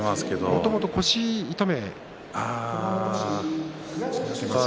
もともと腰を痛めていました。